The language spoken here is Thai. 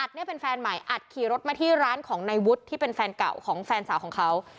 เนี่ยเป็นแฟนใหม่อัดขี่รถมาที่ร้านของนายวุฒิที่เป็นแฟนเก่าของแฟนสาวของเขา